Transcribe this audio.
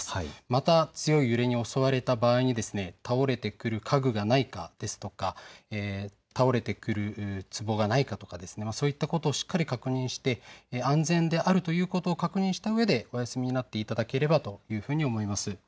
また強い揺れに襲われた場合、倒れてくる家具がないかですとか倒れてくるつぼがないかとか、そういったことを確認して安全であることを確認したうえでお休みになっていただければと思います。